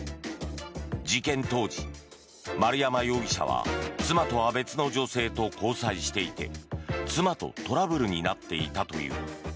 事件当時、丸山容疑者は妻とは別の女性と交際していて妻とトラブルになっていたという。